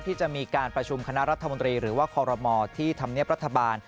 ที่จะมีการประชุมคณะรัฐมนตรีหรือว่าคอรมอที่ธรรมเนียบรัฐบาล